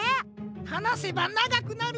はなせばながくなるのう。